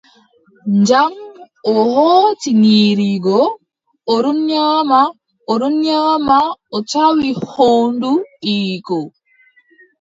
Jam, o hooci nyiiri goo, o ɗon nyaama, o ɗon nyaama, o tawi hoondu ɓiyiiko .